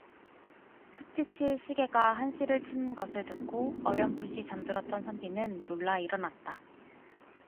숙직실 시계가 한시를 치는 것을 듣고 어렴풋이 잠들었던 선비는 놀라 일어났다.